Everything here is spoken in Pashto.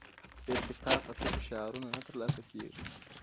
ارتقا په تشو شعارونو نه ترلاسه کېږي.